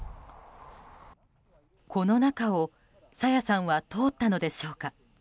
この中を朝芽さんは通ったのでしょうか。